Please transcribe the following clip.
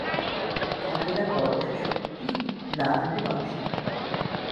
থাকে না বয়স ও শক্তি, না থাকে মানসিকতা।